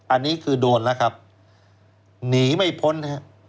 อันนี้คือโดนแล้วครับหนีไม่พ้นนะครับ